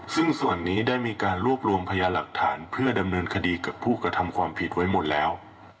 ซึ่งส่วนนี้ได้มีการรวบรวมพยาหลักฐานเพื่อดำเนินคดีกับผู้กระทำความผิดไว้หมดแล้ว